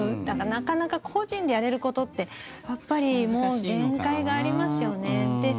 だから、なかなか個人でやれることってやっぱりもう限界がありますよね。